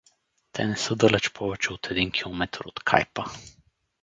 Те не са далеч повече от един километър от Кайпа.